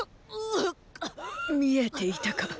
見えていたか。